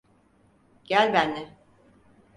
Gel benle.